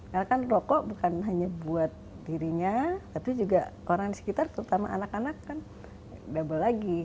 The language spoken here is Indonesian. karena kan rokok bukan hanya buat dirinya tapi juga orang di sekitar terutama anak anak kan double lagi